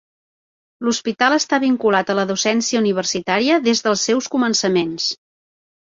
L'hospital està vinculat a la docència universitària des dels seus començaments.